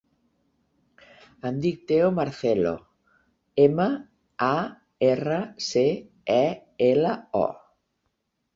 Em dic Teo Marcelo: ema, a, erra, ce, e, ela, o.